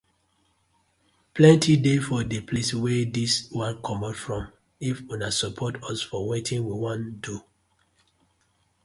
Plenty dey for di place wey dis one comot from if una support us for wetin we won do.